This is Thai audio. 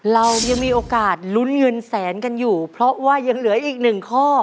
เรายังมีโอกาสลุ้นเงินแสนกันอยู่เพราะว่ายังเหลืออีกหนึ่งข้อ